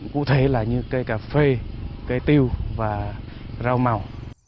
cụ thể là như cây cà phê cây tiêu và rau màu